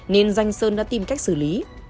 nên danh sơn đã tìm cách xử lý